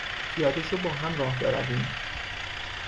پیاده شو باهم راه برویم!